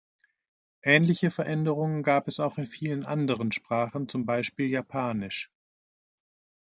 Ähnliche Veränderungen gab es auch in vielen anderen Sprachen, zum Beispiel Japanisch.